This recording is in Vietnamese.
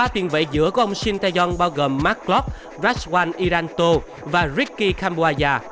ba tiền vệ giữa của ông shin taeyong bao gồm mark klopp rashwan irantu và ricky kambuaya